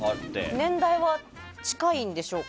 年代は近いんでしょうか